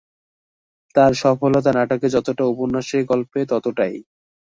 তার সফলতা নাটকে যতটা উপন্যাস-গল্পেও ততটাই।